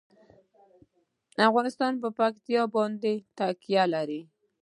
افغانستان په پکتیا باندې تکیه لري.